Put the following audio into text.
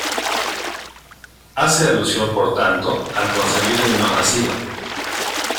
Hace alusión, por tanto, al concebido y no nacido.